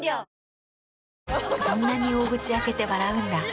そんなに大口開けて笑うんだ。